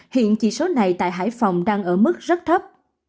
hiện chỉ số này tại hải phòng đang ở mức rất thấp